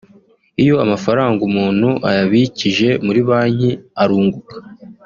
Iyo amafaranga umuntu ayabikije muri banki arunguka